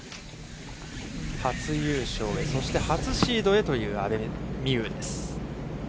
初優勝へ、そして初シードへという阿部未悠です。